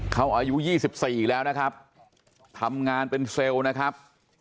เขาอายุ๒๔แล้วนะครับทำงานเป็นเซลล์นะครับ